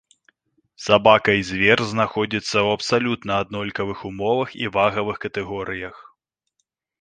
Сабака і звер знаходзіцца ў абсалютна аднолькавых умовах і вагавых катэгорыях.